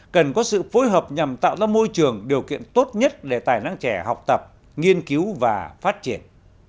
cần có sự phối hợp nhằm tạo ra môi trường điều kiện tốt nhất để tài năng trẻ học tập nghiên cứu và phát triển